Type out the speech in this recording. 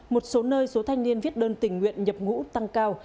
một số nơi số thanh niên viết đơn tình nguyện nhập ngũ tăng cao